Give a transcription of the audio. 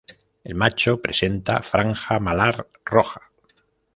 El macho presenta franja malar roja.